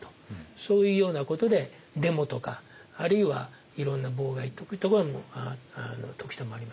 そういうようなことでデモとかあるいはいろんな妨害とかも時たまありました。